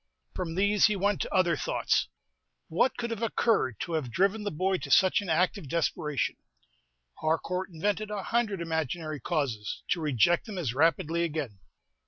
From these he went on to other thoughts. What could have occurred to have driven the boy to such an act of desperation? Harcourt invented a hundred imaginary causes, to reject them as rapidly again.